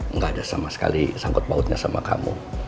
nggak ada sama sekali sangkut pautnya sama kamu